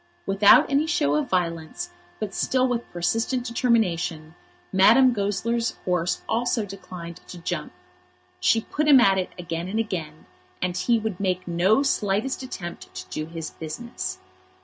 Without any show of violence, but still with persistent determination, Madame Goesler's horse also declined to jump. She put him at it again and again, and he would make no slightest attempt to do his business.